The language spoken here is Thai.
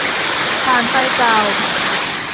ถ่านไฟเก่า